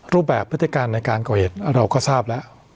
รูปแบบพฤติการในการก่อเหตุเราก็ทราบแล้ว